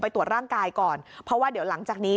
ตรวจร่างกายก่อนเพราะว่าเดี๋ยวหลังจากนี้